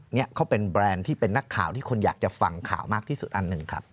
นี่เขาเป็นแบรนด์ที่เป็นนักข่าวที่คนอยากจะฟังข่าวมากที่สุดอันหนึ่งครับ